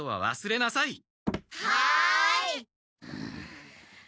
はい！